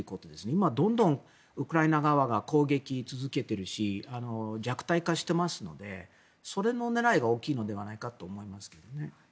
今、どんどんウクライナ側が攻撃を続けているし弱体化していますのでそれの狙いが大きいのではないかと思いますけどね。